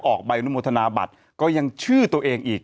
ออกใบอนุโมทนาบัตรก็ยังชื่อตัวเองอีก